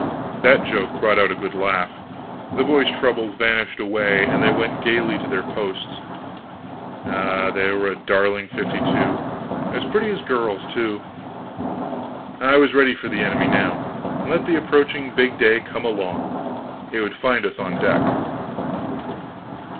That joke brought out a good laugh, the boys' troubles vanished away, and they went gaily to their posts. Ah, they were a darling fifty two! As pretty as girls, too. I was ready for the enemy now. Let the approaching big day come along it would find us on deck.